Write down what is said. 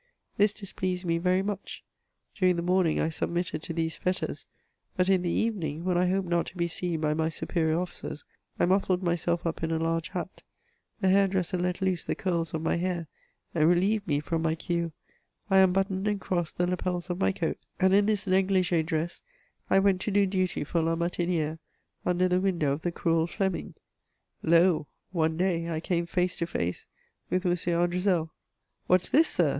This displeased me very much ; during the morning I submitted to these fetters, but in the evening, when I hoped not to be seen by my superior officers, I muffled myself up in a large hat ; the hair dresser let loose the curls of my hair, and relieved me from my queue ; 1 unbuttoned and crossed the lappels of my coat, and in this n^glig^ dress, I went to do duty for La Martini^re, under the window of the cruel Fleming. Lol one day, I came face to face with M. Andrezel :What's this. Sir